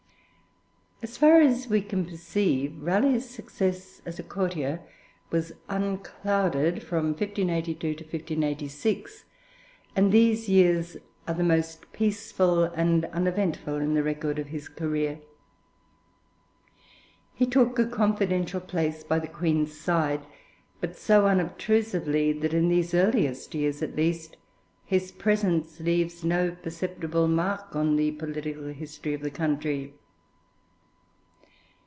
As far as we can perceive, Raleigh's success as a courtier was unclouded from 1582 to 1586, and these years are the most peaceful and uneventful in the record of his career. He took a confidential place by the Queen's side, but so unobtrusively that in these earliest years, at least, his presence leaves no perceptible mark on the political history of the country.